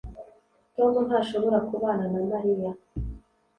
tom ntashobora kubana na mariya